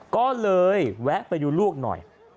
ก็เลยแวะไปดูลูกหน่อย